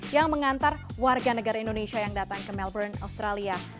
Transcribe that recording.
yang mengantar warga negara indonesia yang datang ke melbourne australia